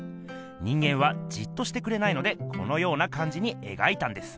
人間はじっとしてくれないのでこのようなかんじにえがいたんです。